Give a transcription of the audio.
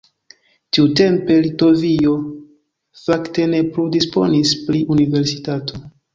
Tiutempe Litovio fakte ne plu disponis pri universitato.